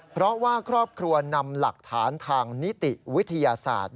เพราะว่าครอบครัวนำหลักฐานทางนิติวิทยาศาสตร์